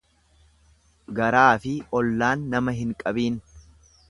Garaafi ollaan nama hin qabiin.